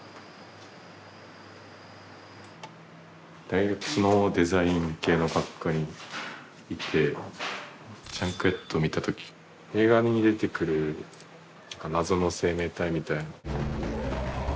大学のデザイン系の学科にいて「ＪＵＮＫＨＥＡＤ」見た時映画に出てくる謎の生命体みたいな。